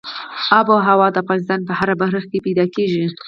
آب وهوا د افغانستان په هره برخه کې موندل کېږي.